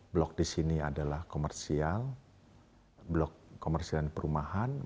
blok di sini adalah komersial blok komersial dan perumahan